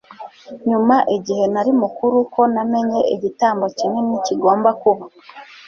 nyuma, igihe nari mukuru, ko namenye igitambo kinini kigomba kuba